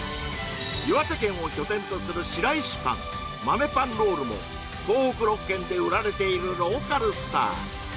岩手県を拠点とするシライシパン豆パンロールも東北６県で売られているローカルスター